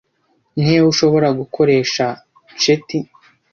Ni hehe ushobora gukoresha Ceti